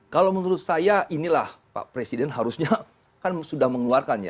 kalau menurut saya inilah pak presiden harusnya kan sudah mengeluarkan ya